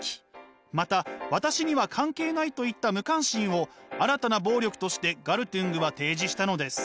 また私には関係ないといった無関心を新たな暴力としてガルトゥングは提示したのです。